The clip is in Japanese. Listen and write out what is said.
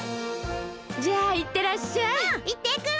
じゃあいってらっしゃい。